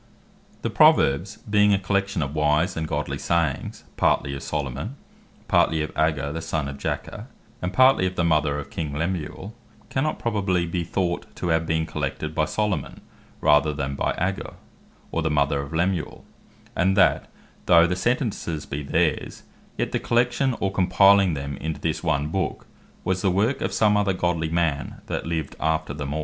The Proverbs The Proverbs, being a Collection of wise and godly Sayings, partly of Solomon, partly of Agur the son of Jakeh; and partly of the Mother of King Lemuel, cannot probably be thought to have been collected by Solomon, rather then by Agur, or the Mother of Lemues; and that, though the sentences be theirs, yet the collection or compiling them into this one Book, was the work of some other godly man, that lived after them all.